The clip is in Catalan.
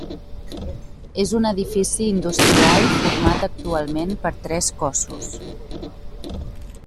És un edifici industrial format actualment per tres cossos.